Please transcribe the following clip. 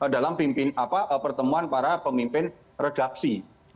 dalam pimpin apa pertemuan para pemimpin redaksi